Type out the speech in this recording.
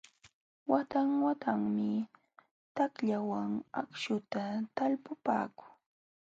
Watan watanmi takllawan akśhuta talpupaakuu.